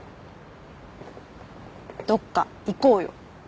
どっか行こうよ。